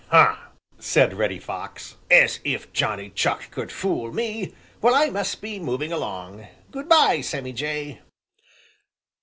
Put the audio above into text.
"Huh!" said Reddy Fox. "As if Johnny Chuck could fool me! Well, I must be moving along. Good by, Sammy Jay."